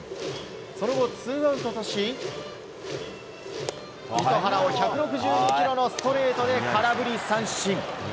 その後、ツーアウトとし糸原を１６２キロのストレートで空振り三振。